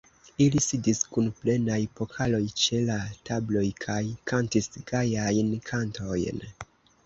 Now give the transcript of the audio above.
Ili sidis kun plenaj pokaloj ĉe la tabloj kaj kantis gajajn kantojn.